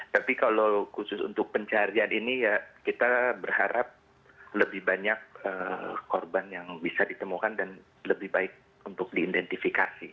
tapi kalau khusus untuk pencarian ini ya kita berharap lebih banyak korban yang bisa ditemukan dan lebih baik untuk diidentifikasi